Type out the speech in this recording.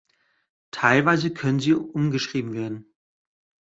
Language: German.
Teilweise können sie umgeschrieben werden.